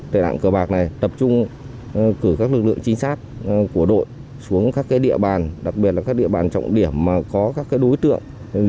tệ nạn cờ bạc này tập trung cử các lực lượng chính sát của đội xuống các địa bàn đặc biệt là các địa bàn trọng điểm có các đối tượng